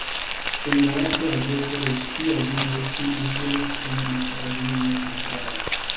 En la lasta jardeko de ŝia vivo ŝi instruis en muzikakademio en Graz.